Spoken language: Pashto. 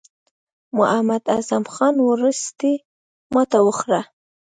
محمد اعظم خان وروستۍ ماته وخوړه.